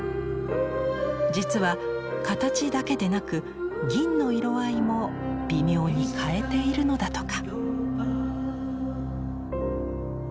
実は形だけでなく銀の色合いも微妙に変えているのだとか。